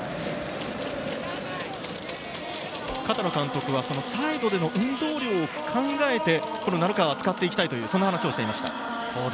片野監督はサイドでの運動量を考えて鳴川を使っていきたいという話をしていました。